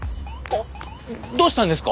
どうしたんですか？